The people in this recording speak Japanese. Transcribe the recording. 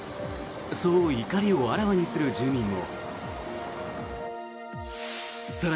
そう怒りをあらわにする住民も。